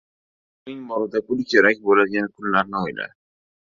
• Puling borida pul kerak bo‘ladigan kunlarni o‘yla.